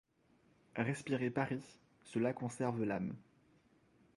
Respirer Paris, cela conserve l'âme.